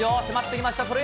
迫ってきました、